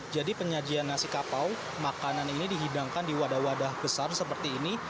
jadi penyajian nasi kapau makanan ini dihidangkan di wadah wadah besar seperti ini